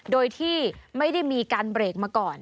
โดยที่ไม่ได้มีการเบรกมาก่อน